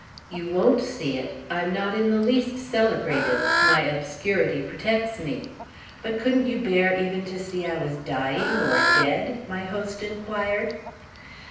"You won't see it; I'm not in the least celebrated—my obscurity protects me. But couldn't you bear even to see I was dying or dead?" my host enquired.